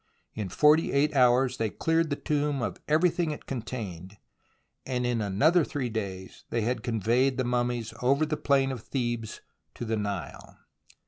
In forty eight hours they cleared the tomb of everything it contained, and in another three days they had conveyed the mummies over the plain of Thebes to the Nile.